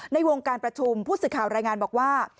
ในวงการประชุมผู้สื่อข่าวรายงานบอกว่า